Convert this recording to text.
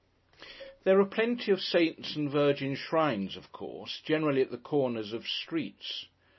There are plenty of Saints' and Virgin's Shrines, of course; generally at the corners of streets.